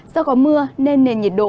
do có mưa nên nền nhiệt độ